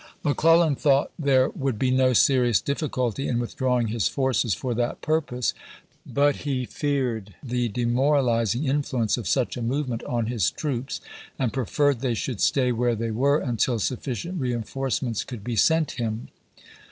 Me Clellau thought there would be uo serious difficulty iu withdi'awirig his forces for that purpose ; but he feared the demorahziDg influ ence of such a movement on his troops, and preferred they should stay where they were until sufficient reenforcemeuts could be sent him.